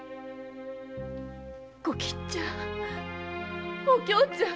小吉ちゃんお京ちゃん！